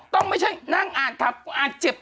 ต้องไม่ใช่ต้องตั้งนั่งกลางภาษาจับ